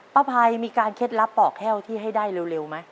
ภัยมีการเคล็ดลับปอกแห้วที่ให้ได้เร็วไหม